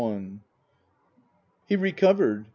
II HE recovered.